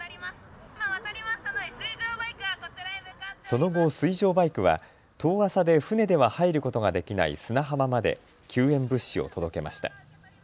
その後、水上バイクは遠浅で船では入ることができない砂浜まで救援物資を届けました。